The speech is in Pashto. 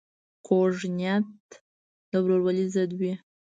کوږه نیت د ورورولۍ ضد وي